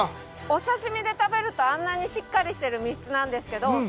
お刺身で食べるとあんなにしっかりしてる身質なんですけどまさに！